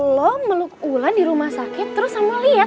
lo meluk ulan di rumah sakit terus sama lo liat